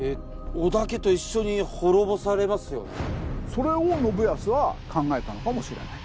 それを信康は考えたのかもしれない。